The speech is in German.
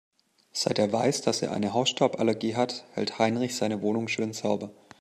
Seit er weiß, dass er eine Hausstauballergie hat, hält Heinrich seine Wohnung schön sauber.